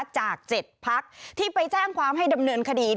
จาก๗พักที่ไปแจ้งความให้ดำเนินคดี